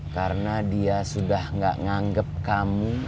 karena dia sudah gak nganggep kamu